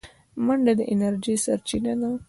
منډه د انرژۍ سرچینه ده